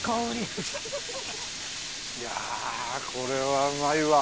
いやこれはうまいわ。